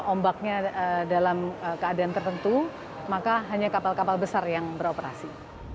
ombaknya dalam keadaan tertentu maka hanya kapal kapal besar yang beroperasi